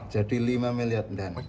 jadi lima miliar dan